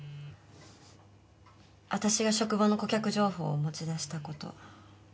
私が職場の顧客情報を持ち出したこと。